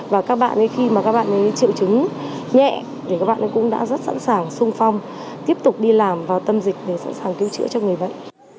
và các bạn khi mà các bạn ấy triệu chứng nhẹ thì các bạn ấy cũng đã rất sẵn sàng sung phong tiếp tục đi làm vào tâm dịch để sẵn sàng cứu chữa cho người bệnh